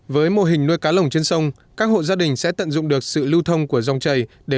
với mô hình nuôi cá lồng trên sông các hộ gia đình sẽ tận dụng được sự lưu thông của dòng chảy